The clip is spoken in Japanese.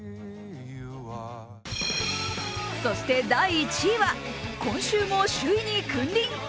そして、第１位は今週も首位に君臨。